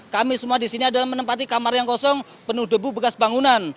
kami semua di sini adalah menempati kamar yang kosong penuh debu bekas bangunan